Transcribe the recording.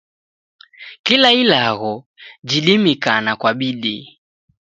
Kila ilagho jidimikana kwa bidii.